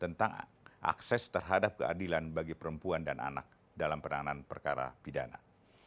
tentang akses terhadap keadilan bagi perempuan dan anak dalam penanganan perkara pidana